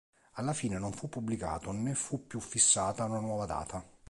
Alla fine non fu pubblicato né fu più fissata una nuova data.